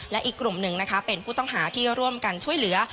และอีกกลุ่มหนึ่งนะคะเป็นผู้ต้องหาที่ร่วมกันช่วยเหลือ